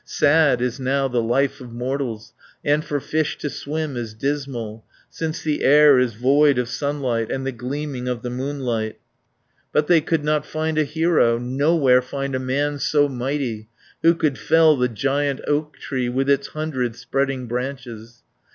Sad is now the life of mortals, And for fish to swim is dismal, Since the air is void of sunlight, And the gleaming of the moonlight." But they could not find a hero, Nowhere find a man so mighty, Who could fell the giant oak tree, With its hundred spreading branches.